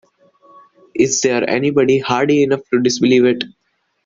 Is there anybody hardy enough to disbelieve it?